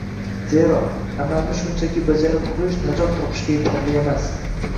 Zero, amalni shunchaki bajarib qo‘yish najot topishga yetarli emas.